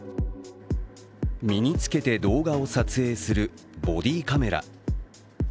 身に着けて動画を撮影するボディーカメラ。